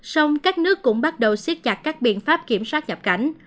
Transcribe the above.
song các nước cũng bắt đầu siết chặt các biện pháp kiểm soát nhập cảnh